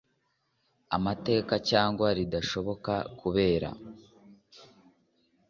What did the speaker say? amategeko cyangwa ridashoboka kubera